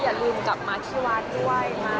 ก็อย่าลืมกลับมาที่ว่านที่ไหว้มา